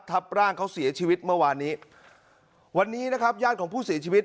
ทับร่างเขาเสียชีวิตเมื่อวานนี้วันนี้นะครับญาติของผู้เสียชีวิต